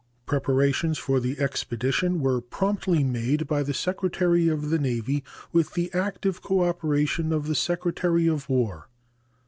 Preparations for the expedition were promptly made by the Secretary of the Navy, with the active cooperation of the Secretary of War.